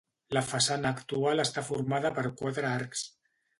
La façana actual està formada per quatre arcs.